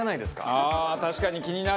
ああ確かに気になる！